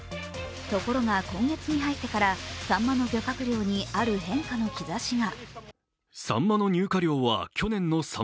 ところが、今月に入ってからさんまの漁獲量にある変化の兆しが。